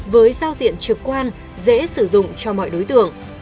với giao diện trực quan dễ sử dụng cho mọi đối tượng